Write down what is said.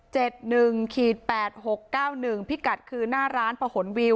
หนึ่งขีดแปดหกเก้าหนึ่งพิกัดคือหน้าร้านปะหนวิว